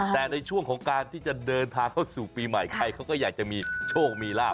แต่ในช่วงของการที่จะเดินทางเข้าสู่ปีใหม่ใครเขาก็อยากจะมีโชคมีลาบ